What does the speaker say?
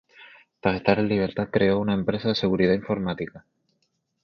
Tras estar en libertad creó una empresa de seguridad informática.